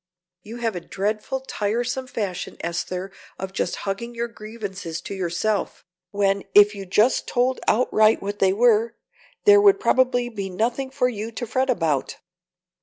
You have a dreadful tiresome fashion, Esther, of just hugging your grievances to yourself, when if you just told outright what they were, there would probably be nothing for you to fret about."